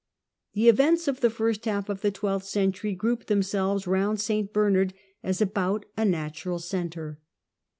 The events of the first half of the twelfth century group themselves round St Bernard as about a natural centre.